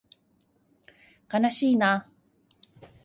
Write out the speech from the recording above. かなしいな